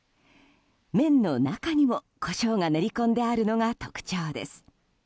麺の中にもコショウが練り込んであるのが特徴です。